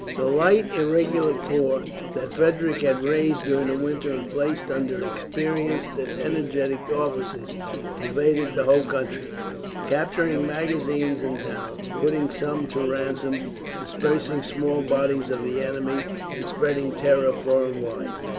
The light irregular corps, that Frederick had raised during the winter and placed under experienced and energetic officers, pervaded the whole country, capturing magazines and towns, putting some to ransom, dispersing small bodies of the enemy, and spreading terror far and wide.